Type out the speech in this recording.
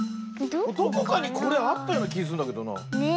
どこかにこれあったようなきすんだけどな。ね。